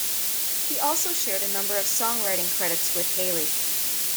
He also shared a number of songwriting credits with Haley.